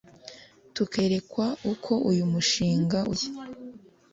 tukerekwa uko uyu mushinga uteye